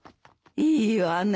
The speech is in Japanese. いいわね。